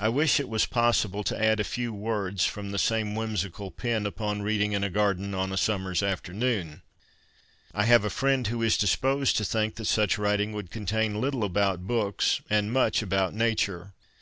I wish it was possible to add a few words from the same whimsical pen upon reading in a garden on a summer's afternoon. I have a friend who is disposed to think that such writing would contain little about books and much about Nature.